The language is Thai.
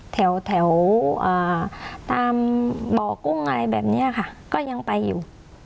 แถวตามบ่อกุ้งอะไรแบบนี้ค่ะก็ยังไปอยู่